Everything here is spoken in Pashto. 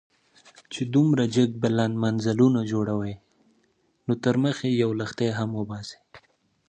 چې دومره جګ بلند منزلونه جوړوئ، نو تر مخ يې يو لښتی هم وباسئ.